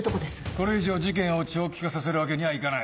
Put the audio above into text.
これ以上事件を長期化させるわけにはいかない。